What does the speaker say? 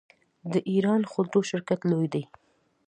د ایران خودرو شرکت لوی دی.